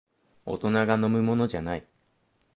大人が飲むものじゃない